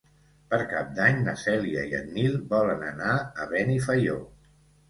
Per Cap d'Any na Cèlia i en Nil volen anar a Benifaió.